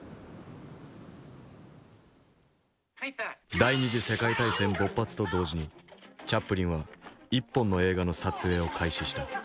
第二次世界大戦勃発と同時にチャップリンは一本の映画の撮影を開始した。